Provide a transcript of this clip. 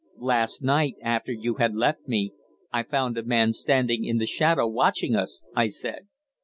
"Last night, after you had left me, I found a man standing in the shadow watching us," I said.